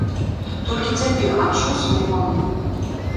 Толькі цяпер адчуў сваю памылку.